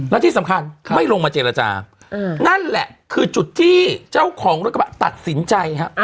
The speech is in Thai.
แล้วที่สำคัญไม่ลงมาเจรจานั่นแหละคือจุดที่เจ้าของรถกระบะตัดสินใจฮะ